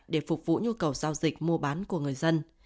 để phục vụ nhu cầu giao dịch mua bán của người dân